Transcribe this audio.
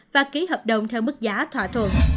và ký hợp đồng theo mức giá thỏa thuận